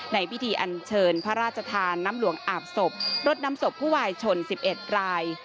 ในพิธีอันเชิญพระราชทานน้ำหลวงอาบศพรดน้ำศพผู้วายชน๑๑ราย